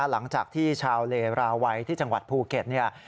หลังจากที่ชาวเลราวัยที่จังหวัดภูเก็ตเนี่ย